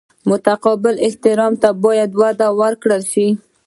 متقابل احترام ته هم باید وده ورکړل شي.